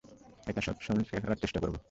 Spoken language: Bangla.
এটাই সবসময় করার চেষ্টা করবো।